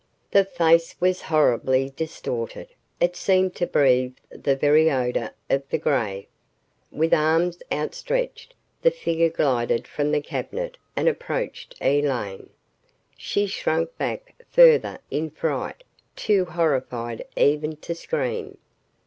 The face was horribly distorted. It seemed to breathe the very odor of the grave. With arms outstretched, the figure glided from the cabinet and approached Elaine. She shrank back further in fright, too horrified even to scream.